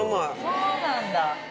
そうなんだ。